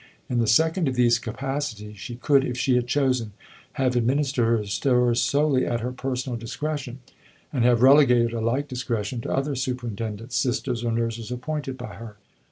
In the second of these capacities, she could, if she had chosen, have administered her stores solely at her personal discretion, and have delegated a like discretion to other superintendents, sisters, or nurses appointed by her.